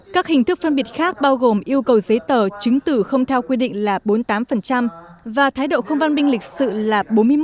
các hình thức phân biệt khác bao gồm yêu cầu giấy tờ chứng tử không theo quy định là bốn mươi tám và thái độ không văn minh lịch sự là bốn mươi một